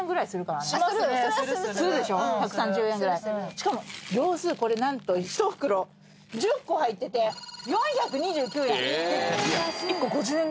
しかも業スーこれ何と１袋１０個入ってて４２９円。